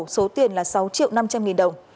số tiền là sáu triệu năm trăm linh nghìn đồng